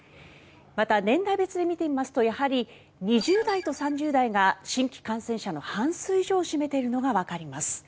また、年代別で見てみますとやはり２０代と３０代が新規感染者の半数以上を占めているのがわかります。